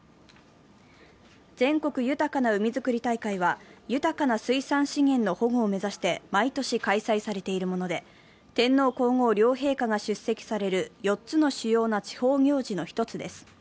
全国豊かな海づくり大会は、豊かな水産資源の保護を目指して毎年開催されているもので、天皇・皇后両陛下が出席される４つの主要な地方行事の１つです。